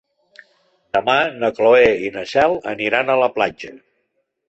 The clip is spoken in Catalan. Demà na Cloè i na Cel aniran a la platja.